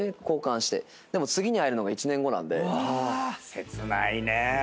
切ないね。